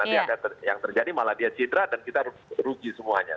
nanti yang terjadi malah dia cedera dan kita rugi semuanya